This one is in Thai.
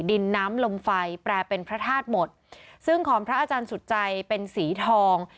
ดินน้ำลมไฟแปลเป็นพระธาตุหมดซึ่งของพระอาจารย์สุดใจเป็นสีทอง